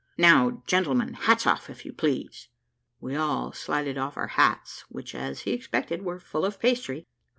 Now, gentlemen, hats off, if you please." We all slided off our hats, which, as he expected, were full of pastry.